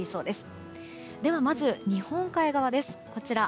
ではまず、日本海側です。